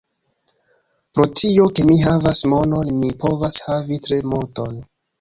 Pro tio, ke mi havas monon, mi povas havi tre multon.